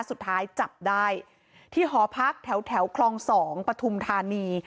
สุดท้ายจับได้ที่หอพักแถวคลอง๒ปฐุมธานี